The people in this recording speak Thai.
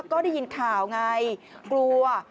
ก็ได้ยินข่าวไงกลัว